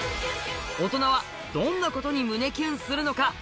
オトナはどんなことに胸キュンするのか？